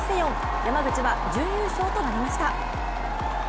山口は準優勝となりました。